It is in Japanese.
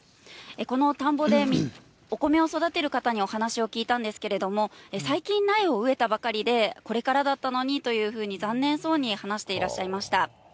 この田んぼでお米を育てる方にお話を聞いたんですけれども、最近、苗を植えたばかりで、これからだったのにというふうに、残念そうに話していらっしゃいました。